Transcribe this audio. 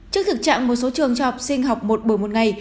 trước thực trạng một số trường cho học sinh học một buổi một ngày